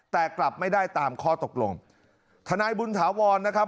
แต่กลับไม่ได้ตามข้อตกลงทนายบุญถาวรนะครับ